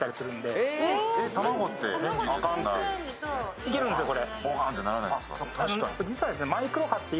いけるんですよ、これ。